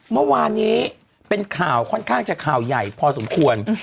เมื่อวานนี้เป็นข่าวค่อนข้างจะข่าวใหญ่พอสมควร